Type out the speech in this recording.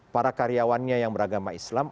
para karyawannya yang beragama islam